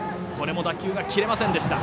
打球がキレませんでした。